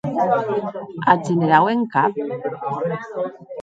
Ath generau en cap?